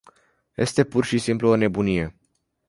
Este pur și simplu o nebunie.